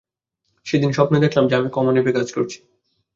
সেদিন স্বপ্নে দেখলাম যে, আমি কমন অ্যাপে কাজ করছি।